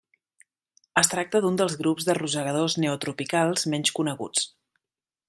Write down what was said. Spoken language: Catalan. Es tracta d'un dels grups de rosegadors neotropicals menys coneguts.